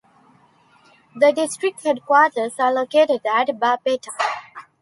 The district headquarters are located at Barpeta.